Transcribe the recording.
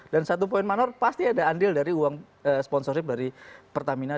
dan satu poin manor pasti ada andil dari uang sponsorship dari pertamina